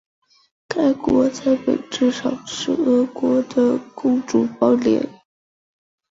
该国在本质上是俄国的共主邦联。